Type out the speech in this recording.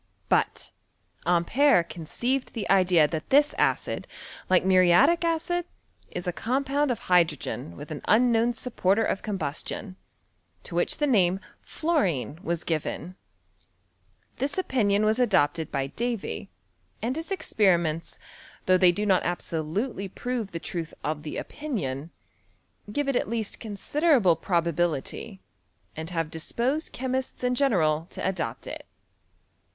But Ampere conceived the idea that this acid, like muriatic acid, is a com pound of hydrogen with an unknown supporter of combustion, to which the name ^worine was given. This opinion was adopted by Davy, and his ex periments, though they do not absolutely prove the truth of the opinion, give it at least considerable probability, and have disposed chemists in general to adopt it.